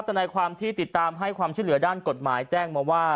นายความที่ติดตามให้ความช่วยเหลือด้านกฎหมายแจ้งมาว่า